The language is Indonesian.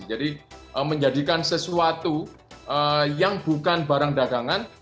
jadi menjadikan sesuatu yang bukan barang dagangan